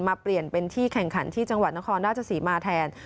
เปลี่ยนเป็นที่แข่งขันที่จังหวัดนครราชศรีมาแทน